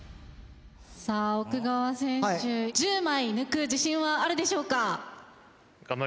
さあ奥川選手１０枚抜く自信はあるでしょうか？